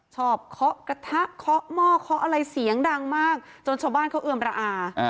เคาะกระทะเคาะหม้อเคาะอะไรเสียงดังมากจนชาวบ้านเขาเอือมระอา